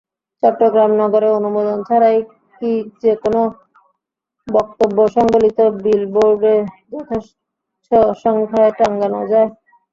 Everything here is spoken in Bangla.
চট্টগ্রাম নগরে অনুমোদন ছাড়াই কি যেকোনো বক্তব্যসংবলিত বিলবোর্ড যথেচ্ছ সংখ্যায় টাঙানো যায়?